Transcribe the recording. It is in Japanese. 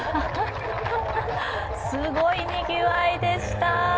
すごいにぎわいでした。